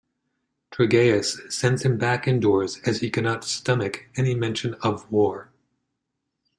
Trygaeus sends him back indoors as he cannot stomach any mention of war.